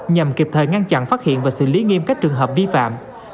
nhằm kịp thời ngăn chặn phát hiện và xử lý nghiêm các trường hợp vi phạm